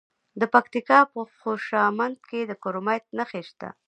د پکتیکا په خوشامند کې د کرومایټ نښې شته.